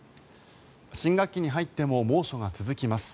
新学期に入っても猛暑が続きます。